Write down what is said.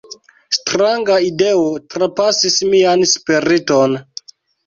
Stranga ideo trapasis mian spiriton.